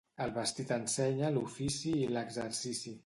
El vestit ensenya l'ofici i l'exercici.